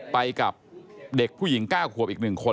ไปกับเด็กผู้หญิง๙ขวบอีก๑คน